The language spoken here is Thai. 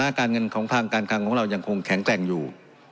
การเงินของทางการคลังของเรายังคงแข็งแกร่งอยู่